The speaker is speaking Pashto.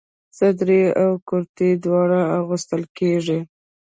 صدرۍ او کرتۍ دواړه اغوستل کيږي.